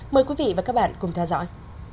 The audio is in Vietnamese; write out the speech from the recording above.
mời quý vị và các bạn cùng theo dõi